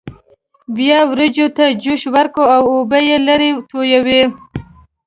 بیا وریجو ته جوش ورکوي او اوبه یې لرې تویوي.